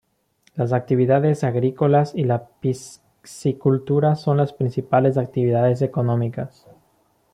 Las actividades agrícolas y la piscicultura son las principales actividades económicas.